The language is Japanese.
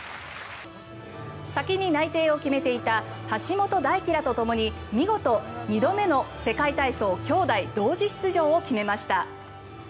先に内定を決めていた橋本大輝らとともに見事、２度目の世界体操兄弟同時出場を決めました。